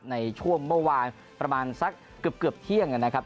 ในช่วงเมื่อวานประมาณสักเกือบเที่ยงนะครับ